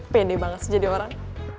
pede banget sih jadi orang